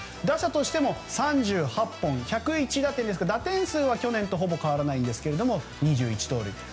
打者としても３８本１０１打点ですから打点数は去年とほぼ変わらないですが２１盗塁。